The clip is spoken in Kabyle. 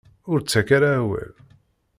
Ur ttak ara awal.